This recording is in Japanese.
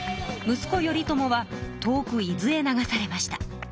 息子頼朝は遠く伊豆へ流されました。